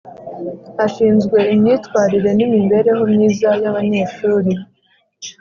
Ashizwe imyitwarire nimibereho myiza yabanyeshuri